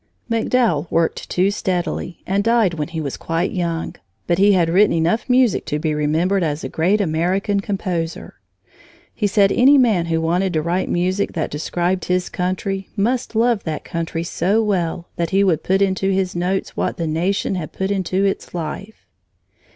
MacDowell worked too steadily and died when he was quite young, but he had written enough music to be remembered as a great American composer. He said any man who wanted to write music that described his country must love that country so well that he would put into his notes what the nation had put into its life.